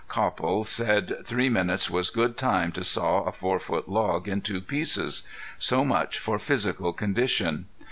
Copple said three minutes was good time to saw a four foot log in two pieces. So much for physical condition!